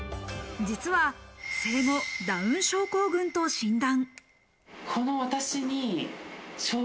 実は、生後、ダウン症候群と診断。